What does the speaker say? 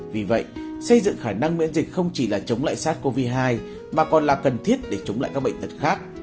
vì vậy xây dựng khả năng miễn dịch không chỉ là chống lại sars cov hai mà còn là cần thiết để chống lại các bệnh tật khác